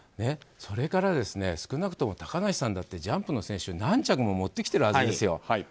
それから少なくとも高梨さんだってジャンプの選手何着も持ってきてるわけですよ。